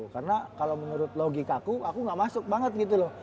karena kalo menurut logikaku aku gak masuk banget gitu loh